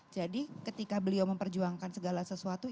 jadi ketika beliau memperjuangkan segala sesuatu